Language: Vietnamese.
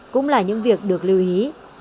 cũng là những việc được lưu ý